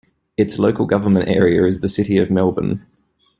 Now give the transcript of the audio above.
Its local government area is the City of Melbourne.